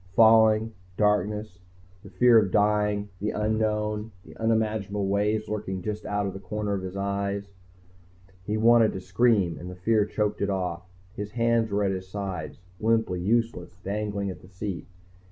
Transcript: Falling, darkness, the fear of dying, the unknown, the unimaginable always lurking just out of the corner of his eye. He wanted to scream and the fear choked it off. His hands were at his sides, limply useless, dangling at the seat.